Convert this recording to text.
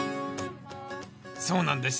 そうなんです。